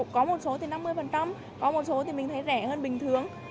có một số thì năm mươi có một số thì mình thấy rẻ hơn bình thường